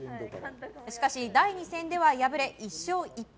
しかし第２戦では敗れ１勝１敗。